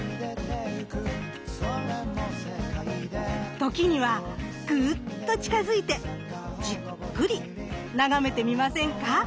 時にはグッと近づいてじっくり眺めてみませんか。